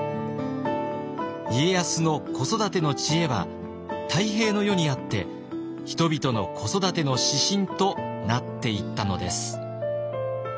家康の子育ての知恵は太平の世にあって人々の子育ての指針となっていったのです。